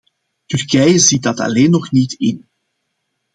Turkije ziet dat alleen nog niet in.